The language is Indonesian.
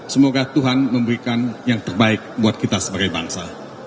semoga tuhan memberikan yang terbaik buat kita sebagai bangsa